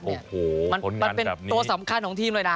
มันเป็นตัวสำคัญของทีมเลยนะ